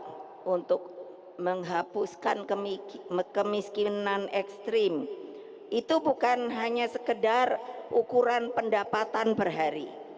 mbak untuk menghapuskan kami kemiskinan ekstrim itu bukan hanya sekedar ukuran pendapatan perhari